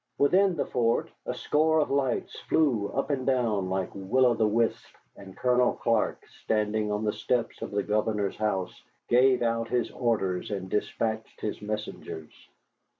Within the fort a score of lights flew up and down like will o' the wisps, and Colonel Clark, standing on the steps of the governor's house, gave out his orders and despatched his messengers.